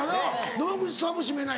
野間口さんも「しめない」